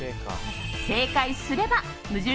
正解すれば無印